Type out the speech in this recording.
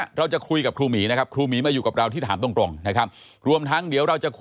ยาท่าน้ำขาวไทยนครเพราะทุกการเดินทางของคุณจะมีแต่รอยยิ้ม